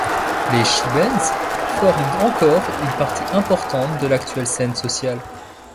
Les Shebeens forment encore une partie importante de l'actuelle scène sociale.